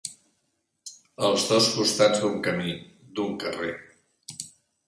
Els dos costats d'un camí, d'un carrer.